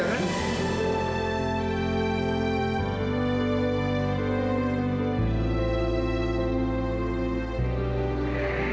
kamu mau ke rumah